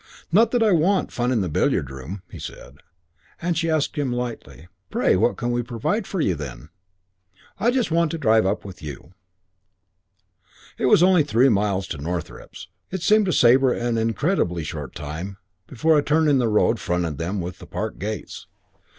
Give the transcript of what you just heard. "Not that I want fun in the billiard room," he said. She asked him lightly, "Pray what can we provide for you, then?" "I just want to drive up with you." III It was only three miles to Northrepps. It seemed to Sabre an incredibly short time before a turn in the road fronted them with the park gates.